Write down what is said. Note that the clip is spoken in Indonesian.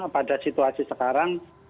pada situasi sekarang